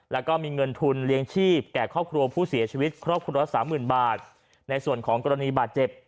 แล้วก็มีเงินทุนเลี้ยงชีพแก่ครอบครัวผู้เสียชีวิตครอบครัวละสามหมื่นบาทในส่วนของกรณีบาดเจ็บ